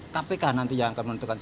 kpk nanti yang akan menentukan